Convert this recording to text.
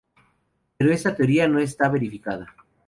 Pero esta teoría no está verificada.